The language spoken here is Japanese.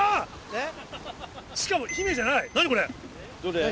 えっ！